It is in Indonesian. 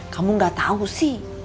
kamu nggak tahu sih